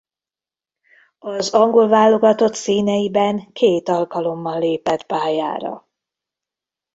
Az angol válogatott színeiben két alkalommal lépett pályára.